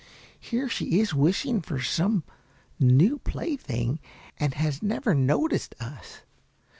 Here she is wishing for some new plaything, and has never noticed us.